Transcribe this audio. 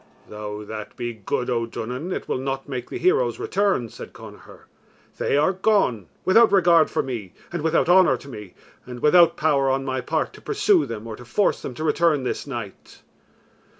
"Though that be good, O Duanan, it will not make the heroes return," said Connachar; "they are gone without regard for me, and without honour to me, and without power on my part to pursue them or to force them to return this night."